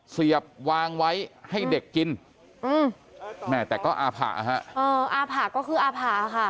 เสียบวางไว้ให้เด็กกินอืมแม่แต่ก็อาผะฮะเอออาผะก็คืออาผ่าค่ะ